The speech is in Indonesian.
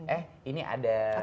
eh ini ada bumbu baru